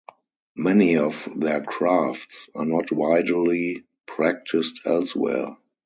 Many of their crafts are not widely practised elsewhere.